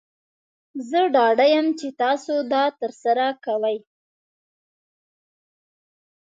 زه ډاډه یم چې تاسو دا ترسره کوئ.